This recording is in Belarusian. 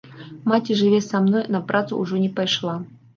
Маці жыве са мной, на працу ўжо не пайшла.